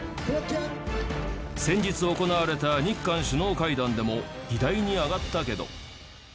先日行われた日韓首脳会談でも議題に上がったけど。